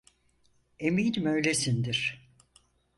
Eminim öylesindir.